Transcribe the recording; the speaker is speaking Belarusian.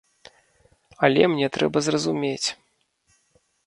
Але мне трэба зразумець.